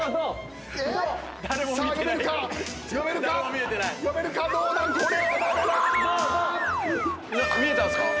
見えたんすか？